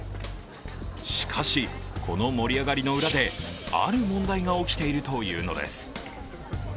しかし、この盛り上がりの裏である問題が起きているというのです。